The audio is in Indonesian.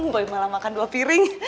gue malah makan dua piring